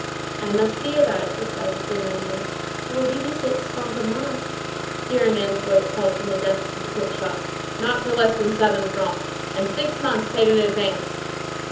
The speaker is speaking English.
"I must see about it," replied the Thénardier. "I will give you six francs a month." Here a man's voice called from the depths of the cook shop:— "Not for less than seven francs. And six months paid in advance."